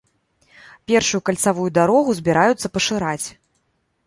Першую кальцавую дарогу збіраюцца пашыраць.